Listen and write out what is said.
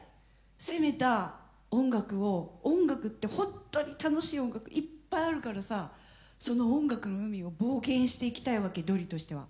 攻めた音楽を音楽って本当に楽しい音楽いっぱいあるからさその音楽の海を冒険していきたいわけドリとしては。